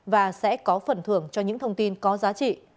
và sẽ có phần thưởng cho những thông tin có giá trị